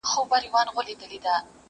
شمع ده چي مړه سي رڼا نه لري.!